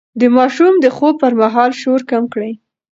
د ماشوم د خوب پر مهال شور کم کړئ.